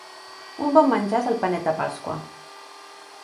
Un bon menjar és el panet de pasqua.